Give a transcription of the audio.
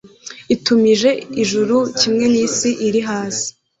Itumije ijuru kimwe n’isi iri hasi